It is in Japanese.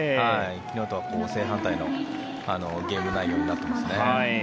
昨日とは正反対のゲーム内容になってますね。